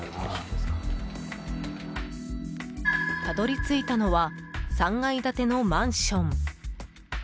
たどり着いたのは３階建てのマンション。